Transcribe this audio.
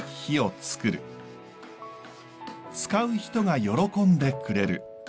使う人が喜んでくれる。